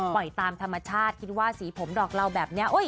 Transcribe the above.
ตามธรรมชาติคิดว่าสีผมดอกเราแบบนี้